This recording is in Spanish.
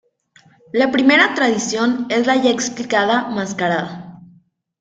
La primera Tradición es la ya explicada Mascarada.